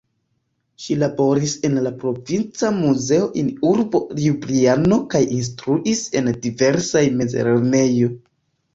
Ŝi laboris en la provinca muzeo in urbo Ljubljano kaj instruis en diversaj mezlernejo.